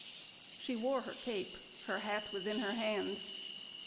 She wore her cape; her hat was in her hand.